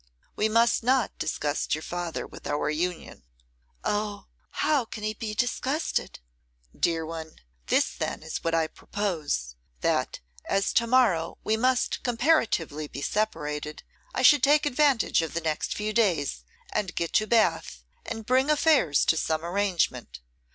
We must not disgust your father with our union.' 'Oh! how can he be disgusted?' 'Dear one! This, then, is what I propose; that, as to morrow we must comparatively be separated, I should take advantage of the next few days, and get to Bath, and bring affairs to some arrangement.